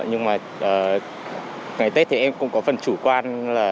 nhưng mà ngày tết thì em cũng có phần chủ quan là